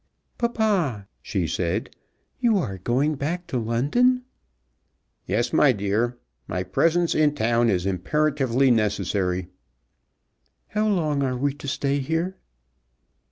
"Papa," she said, "you are going back to London?" "Yes, my dear. My presence in town is imperatively necessary." "How long are we to stay here?"